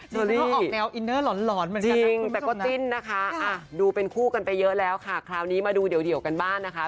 จนก็ออกแนวอินเนอร์หลอนหลอนเหมือนกันนะ